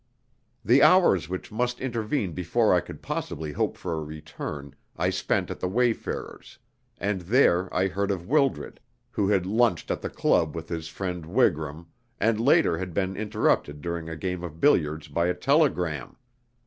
The hours which must intervene before I could possibly hope for a return I spent at the Wayfarers', and there I heard of Wildred, who had lunched at the club with his friend Wigram, and later had been interrupted during a game of billiards by a telegram.